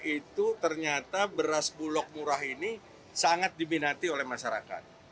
itu ternyata beras bulog murah ini sangat diminati oleh masyarakat